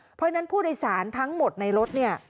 เพราะฉะนั้นผู้โดยสารทั้งหมดในรถเนี่ย